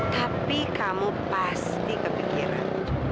tapi kamu pasti kepikiran